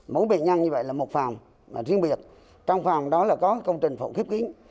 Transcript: mỗi bệnh nhân như vậy là một phòng riêng biệt trong phòng đó là có công trình phụ khiếp kính